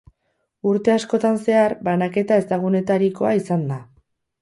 Urte askotan zehar, banaketa ezagunetarikoa izan da.